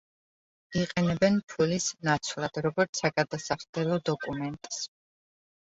იყენებენ ფულის ნაცვლად, როგორც საგადასახდელო დოკუმენტს.